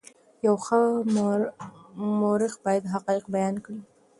یو ښه مورخ باید حقایق بیان کړي.